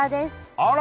あら！